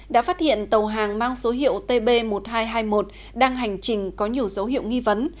đã phát hiện tàu hàng mang số hiệu tb một nghìn hai trăm hai mươi một đang hành trình có nhiều dấu hiệu nghi vấn